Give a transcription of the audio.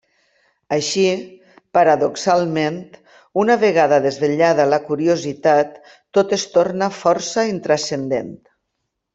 Així, paradoxalment, una vegada desvetllada la curiositat tot es torna força intranscendent.